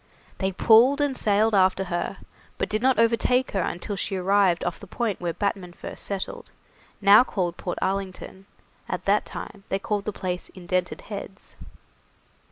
They pulled and sailed after her, but did not overtake her until she arrived off the point where Batman first settled, now called Port Arlington; at that time they called the place Indented Heads.